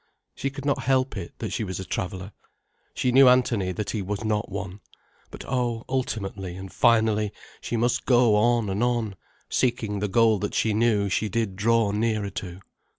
She could not help it, that she was a traveller. She knew Anthony, that he was not one. But oh, ultimately and finally, she must go on and on, seeking the goal that she knew she did draw nearer to.